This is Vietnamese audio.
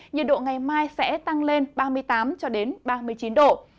nhiệt độ ngày mai sẽ tăng lên ba mươi tám ba mươi bảy độ